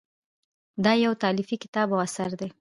دا یو تالیفي کتاب او اثر دی.